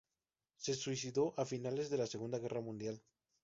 Se suicidó a finales de la Segunda Guerra Mundial.